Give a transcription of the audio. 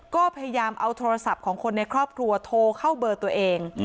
ก็พยายามเอาโทรศัพท์ของคนในครอบครัวโทรเข้าเบอร์ตัวเอง